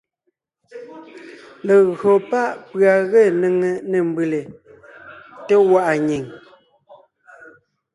Legÿo pá’ pʉ̀a ge néŋe nê mbʉ́lè, té gwaʼa nyìŋ,